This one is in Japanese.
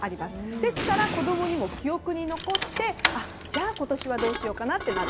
ですから、子供にも記憶に残って今年はどうしようかなとなる。